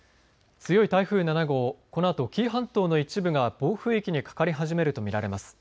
強い台風７号、このあと紀伊半島の一部が暴風域にかかり始めると見られます。